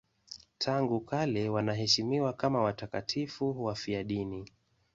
Tangu kale wanaheshimiwa kama watakatifu wafiadini.